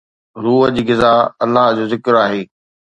روح جي غذا الله جو ذڪر آهي.